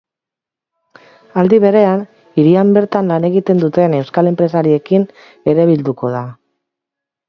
Aldi berean, hirian bertan lan egiten duten euskal enpresariekin ere bilduko da.